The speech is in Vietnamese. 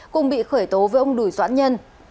cùng bị khởi tố với ông đùi doãn nhân